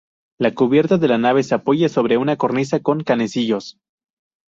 La cubierta de la nave se apoya sobre una "cornisa" con "canecillos".